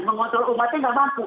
mengontrol umatnya tidak mampu